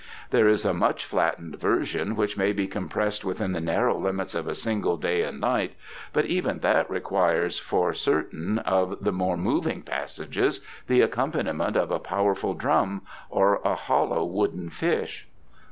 "There is a much flattened version which may be compressed within the narrow limits of a single day and night, but even that requires for certain of the more moving passages the accompaniment of a powerful drum or a hollow wooden fish."